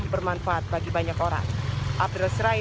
bermanfaat bagi banyak orang